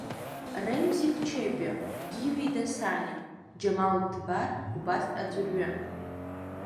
Ремзик Чепиа, Гиви Дасаниа, Џьамал Дбар убас аӡәырҩы.